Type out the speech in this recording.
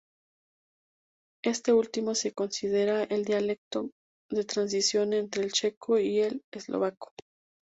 Este último se considera el dialecto de transición entre el checo y el eslovaco.